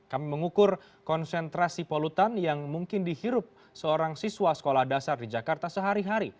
kami mengukur konsentrasi polutan yang mungkin dihirup seorang siswa sekolah dasar di jakarta sehari hari